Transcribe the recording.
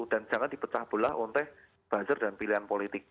dan jangan dipecah belah ontek buzzer dan pilihan politik